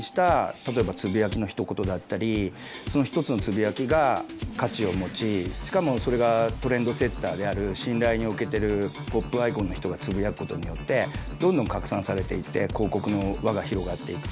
例えばつぶやきのひと言だったりその一つのつぶやきが価値を持ちしかもそれがトレンドセッターである信頼の置けてるポップアイコンの人がつぶやく事によってどんどん拡散されていって広告の輪が広がっていくと。